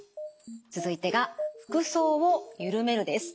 続いてが服装をゆるめるです。